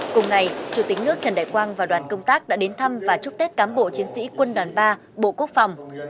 cùng ngày chủ tịch nước trần đại quang và đoàn công tác đã đến thăm và chúc tết cán bộ chiến sĩ quân đoàn ba bộ quốc phòng